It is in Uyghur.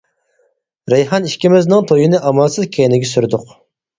رەيھان ئىككىمىزنىڭ تويىنى ئامالسىز كەينىگە سۈردۇق.